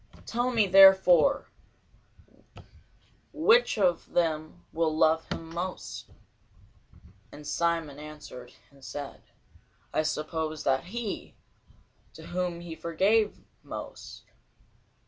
Tell me therefore, which of them will love him most? Simon answered and said, I suppose that he, to whom he forgave most.